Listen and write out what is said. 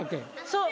そう。